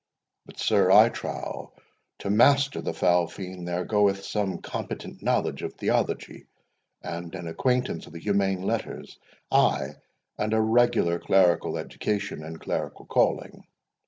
No, sir, I trow, to master the foul fiend there goeth some competent knowledge of theology, and an acquaintance of the humane letters, ay, and a regular clerical education and clerical calling."